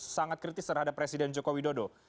sangat kritis terhadap presiden joko widodo